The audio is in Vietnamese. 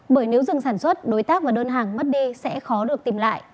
bởi nếu dừng sản xuất đối tác và đơn hàng mất đi sẽ khó được tìm lại